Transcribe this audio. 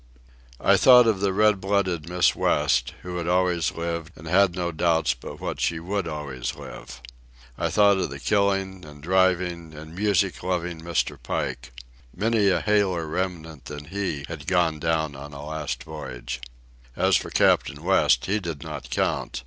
I thought of the red blooded Miss West, who had always lived and had no doubts but what she would always live. I thought of the killing and driving and music loving Mr. Pike. Many a haler remnant than he had gone down on a last voyage. As for Captain West, he did not count.